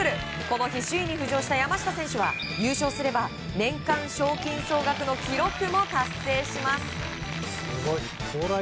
この日首位に浮上した山下選手は優勝すれば年間賞金総額の記録も達成します。